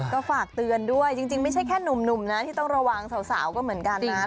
ก็ฝากเตือนด้วยจริงไม่ใช่แค่หนุ่มนะที่ต้องระวังสาวก็เหมือนกันนะ